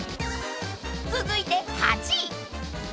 ［続いて８位］